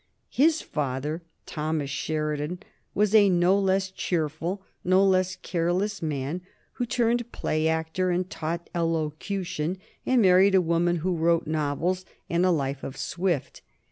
His father, Thomas Sheridan, was a no less cheerful, no less careless man, who turned play actor, and taught elocution, and married a woman who wrote novels and a life of Swift.